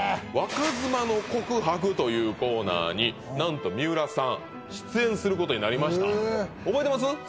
「若妻の告白」というコーナーになんと三浦さん出演することになりました覚えてます？